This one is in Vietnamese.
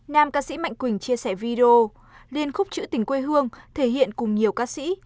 nam ca sĩ mạnh quỳnh chia sẻ video liên khúc chữ tình quê hương thể hiện cùng nhiều ca sĩ